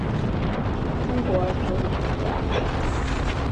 中国植物学家。